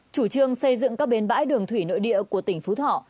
chủ trương xây dựng các bến bãi đường thủy nội địa của tỉnh phú thọ